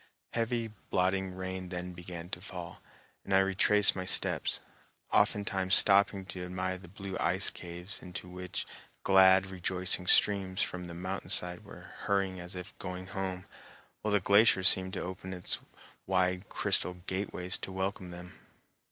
Heavy, blotting rain then began to fall, and I retraced my steps, oftentimes stopping to admire the blue ice caves into which glad, rejoicing streams from the mountain side were hurrying as if going home, while the glacier seemed to open wide its crystal gateways to welcome them.